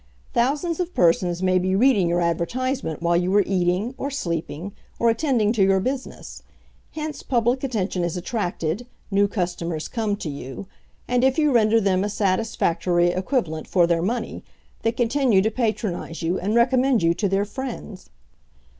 Thousands of persons may be reading your advertisement while you are eating, or sleeping, or attending to your business; hence public attention is attracted, new customers come to you, and, if you render them a satisfactory equivalent for their money, they continue to patronize you and recommend you to their friends.